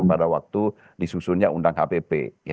pada waktu disusunnya undang hpp